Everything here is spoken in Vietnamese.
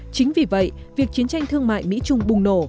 chính vì vậy việc chiến tranh thương mại mỹ trung bùng nổ